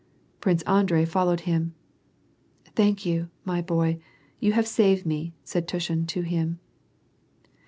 Prince Andrei followed him. " Thank you, my boy,* you have saved me," said Tushin to him.